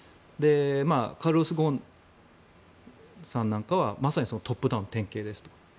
カルロス・ゴーンさんなんかはまさにトップダウンの典型ですと。